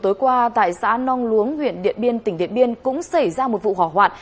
tối qua tại xã nong luống huyện điện biên tỉnh điện biên cũng xảy ra một vụ hỏa hoạn